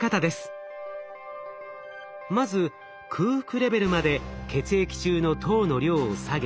まず空腹レベルまで血液中の糖の量を下げ